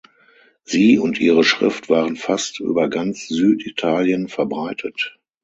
Sie und ihre Schrift waren fast über ganz Süditalien verbreitet.